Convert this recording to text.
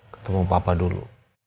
ketemu papa dulu